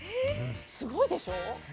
すごいでしょう？